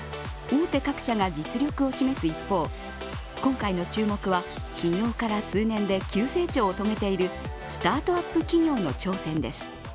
大手各社が実力を示す一方今回の注目は起業から数年で急成長を遂げているスタートアップ企業の挑戦です。